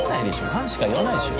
「ワン」しか言わないでしょ。